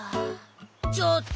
ちょっと！